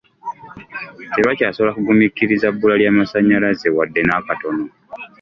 Tebakyasobola kugumiikiriza bbula lya masannyalaze wadde n'akatono.